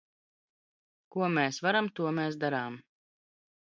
Ko mēs varam, to mēs darām!